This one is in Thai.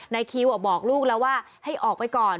นายคิวบอกลูกแล้วว่าให้ออกไปก่อน